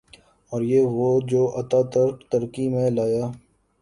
اوریہ وہ جو اتا ترک ترکی میں لایا۔